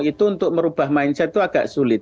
itu untuk merubah mindset itu agak sulit